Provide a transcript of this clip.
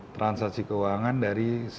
transaksi keuangan dari